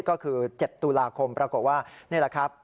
ก็คือ๗ตุลาคมปรากฏว่านี่แหละครับ